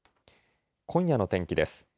今夜の天気です。